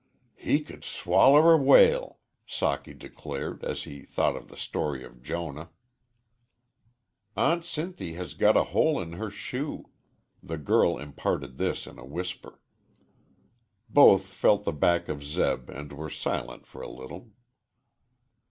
"He could swaller a whale," Socky declared, as he thought of the story of Jonah. "Aunt Sinthy has got a hole in her shoe." The girl imparted this in a whisper. Both felt the back of Zeb and were silent for a little.